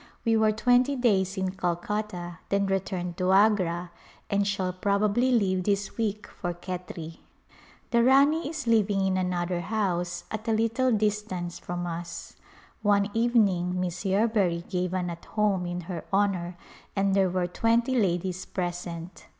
We were twenty days in Calcutta, then returned to Agra and shall prob ably leave this week for Khetri. The Rani is living in another house at a little dis tance from us. One evening Miss Yerbury gave an "At Home" in her honor and there were twenty ladies present.